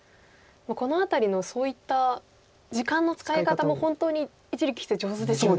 この辺りのそういった時間の使い方も本当に一力棋聖上手ですよね。